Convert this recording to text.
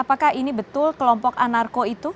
apakah ini betul kelompok anarko itu